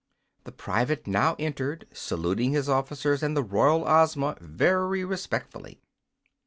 The private now entered, saluting his officers and the royal Ozma very respectfully.